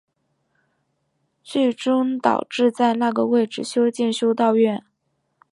最终导致在那个位置修建修道院。